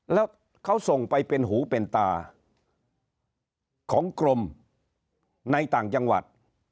แล้วเขาส่งไปเป็นหูเป็นตาของกรมในต่างจังหวัด